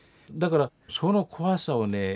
だからその怖さをね